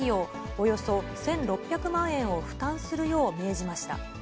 およそ１６００万円を負担するよう命じました。